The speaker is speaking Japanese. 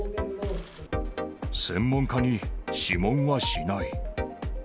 専門家に諮問はしない。